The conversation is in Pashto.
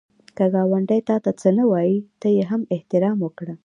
که ګاونډی تا ته څه ونه وايي، ته یې هم احترام وکړه